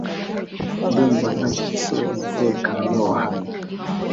Ndumva ntamfite umutekano wa hano .